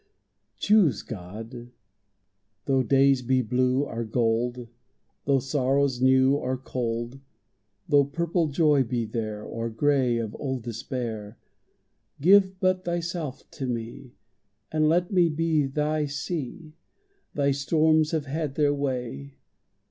Choose, God. Though days be blue, or gold, Though sorrows new, or cold, Though purple joy be there, Or gray of old despair, Give but Thyself to me, And let me be Thy sea. Thy storms have had their way.